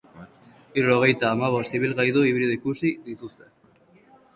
Hirurogeita hamabost ibilgaidu hibrido ikusi dituzte.